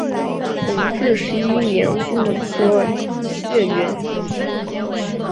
弘治十一年戊午科解元。